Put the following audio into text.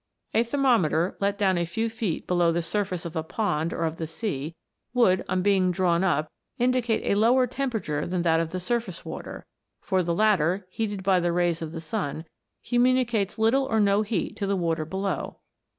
A thermometer let down a few feet below the surface of a pond or of the sea, would, on being drawn up, indicate a lower temperature than that of the surface water ; for the latter, heated by the rays of the sun, communicates little or no heat to the water below.